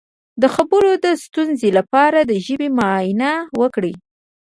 د خبرو د ستونزې لپاره د ژبې معاینه وکړئ